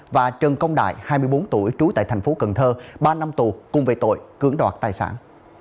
và trần công đại hai mươi bốn tuổi trú tại thành phố cần thơ ba năm tù cùng về tội cưỡng đoạt tài sản